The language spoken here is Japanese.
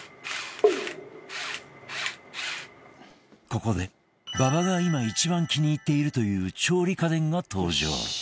ここで馬場が今一番気に入っているという調理家電が登場